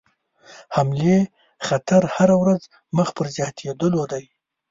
حملې خطر هره ورځ مخ پر زیاتېدلو دی.